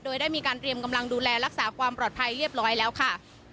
โดยได้มีการเตรียมกำลังดูแลรักษาความปลอดภัยเรียบร้อยแล้วค่ะ